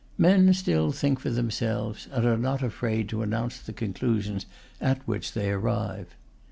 Men still think for themselves, and are not afraid to announce the conclusions at which they arrive.